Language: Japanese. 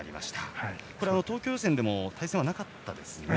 東京予選でも対戦はなかったですよね。